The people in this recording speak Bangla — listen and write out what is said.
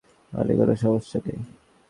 আরে কোনো সমস্যা নেই।